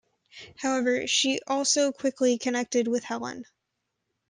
However she also quickly connected with Helen.